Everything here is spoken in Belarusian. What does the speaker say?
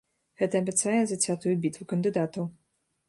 Гэта абяцае зацятую бітву кандыдатаў.